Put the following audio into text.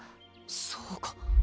そうか。